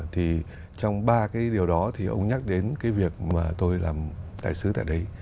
thì trong ba cái điều đó thì ông nhắc đến cái việc mà tôi làm đại sứ tại đấy